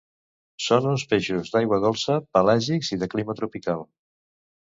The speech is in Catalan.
Són uns peixos d'aigua dolça, pelàgics i de clima tropical.